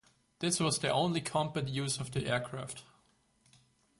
This was the only combat use of the aircraft.